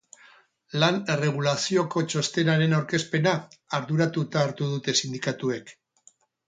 Lan erregulazioko txostenaren aurkezpena arduratuta hartu dute sindikatuek.